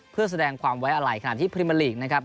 เพื่อแสดงความไว้อาล่ายขนาดที่ปริมาลีกนะครับ